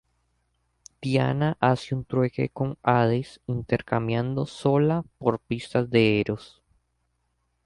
Diana hace un trueque con Hades, intercambiando Zola por las pistolas de Eros.